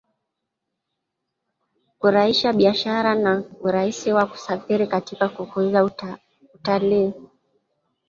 Kurahisha biashara na urahisi wa kusafiri katika kukuza utalii